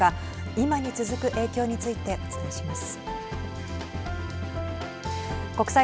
今に続く影響についてお伝えします。